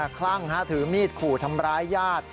คลั่งถือมีดขู่ทำร้ายญาติ